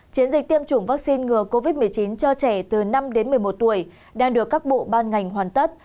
chiến dịch tiêm chủng vaccine ngừa covid một mươi chín cho trẻ từ năm đến một mươi một tuổi đang được các bộ ban ngành hoàn tất